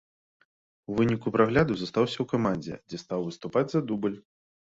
У выніку прагляду застаўся ў камандзе, дзе стаў выступаць за дубль.